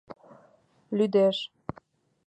Лӱдеш!